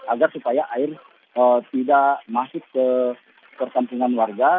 agar supaya air tidak masuk ke perkampungan warga